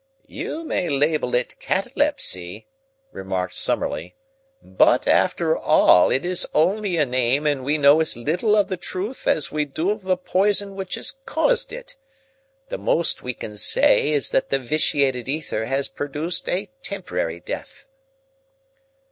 "You may label it catalepsy," remarked Summerlee, "but, after all, that is only a name, and we know as little of the result as we do of the poison which has caused it. The most we can say is that the vitiated ether has produced a temporary death."